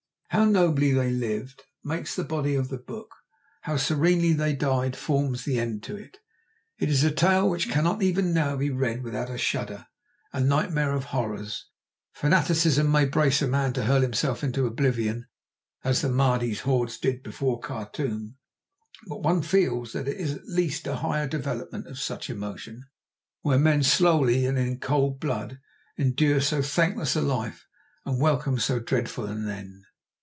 How nobly they lived makes the body of the book, how serenely they died forms the end to it. It is a tale which cannot even now be read without a shudder—a nightmare of horrors. Fanaticism may brace a man to hurl himself into oblivion, as the Mahdi's hordes did before Khartoum, but one feels that it is at least a higher development of such emotion, where men slowly and in cold blood endure so thankless a life, and welcome so dreadful an end.